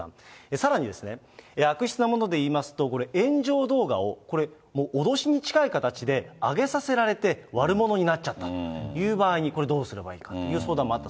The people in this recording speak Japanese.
さらにですね、悪質なもので言いますと、これ、炎上動画をこれ、脅しに近い形で上げさせられて、悪者になっちゃったという場合にこれどうするかという相談もあっ